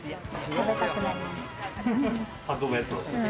食べたくなります。